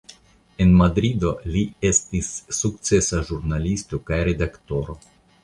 En Madrido li estis sukcesa ĵurnalisto kaj redaktoro.